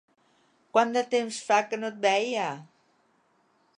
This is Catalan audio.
Quant de temps fa que no et veia!